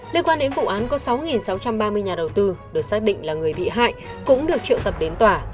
liên quan đến vụ án có sáu sáu trăm ba mươi nhà đầu tư được xác định là người bị hại cũng được triệu tập đến tòa